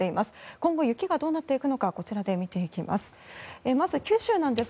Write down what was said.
今後、雪がどうなっていくのかこちらで見ていきます。